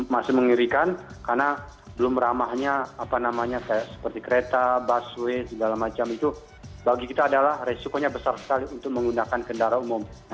masih mengerikan karena belum ramahnya apa namanya seperti kereta busway segala macam itu bagi kita adalah resikonya besar sekali untuk menggunakan kendaraan umum